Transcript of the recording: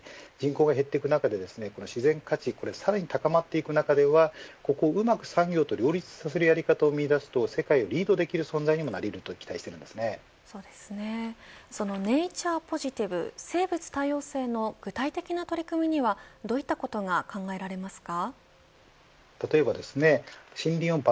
人口が減っていく中で自然価値がさらに高まっていく流れはそこをうまく産業と両立するやり方を生み出して社会をリードする存在になれるとネイチャーポジティブ生物多様性の具体的な取り組みにはどういったことが考えられますか。